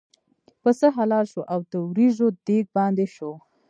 پسه حلال شو او د وریجو دېګ باندې شو.